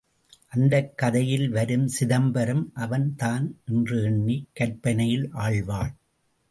அந்தக் கதையில் வரும் சிதம்பரம் அவன் தான் என்று எண்ணிக் கற்பனையில் ஆழ்வாள்.